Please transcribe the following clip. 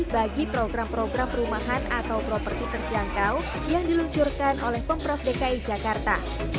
bagi program program perumahan atau properti terjangkau yang diluncurkan oleh pemprov dki jakarta